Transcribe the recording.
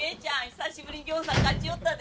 久しぶりにぎょうさん勝ちよったで。